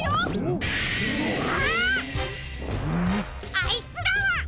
あいつらは！